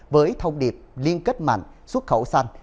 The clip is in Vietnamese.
với thông điệp liên kết mạnh xuất khẩu xanh